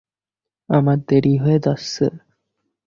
আমার দেরি হয়ে যাচ্ছে।